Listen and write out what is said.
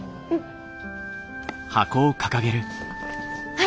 はい！